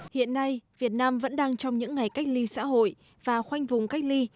hiện nay việt nam vẫn đang trong những ngày cách ly xã hội và khoanh vùng cách ly